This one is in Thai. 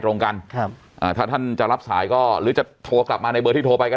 ตรงกันครับอ่าถ้าท่านจะรับสายก็หรือจะโทรกลับมาในเบอร์ที่โทรไปก็